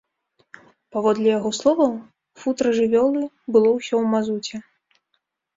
Паводле яго словаў, футра жывёлы было ўсё ў мазуце.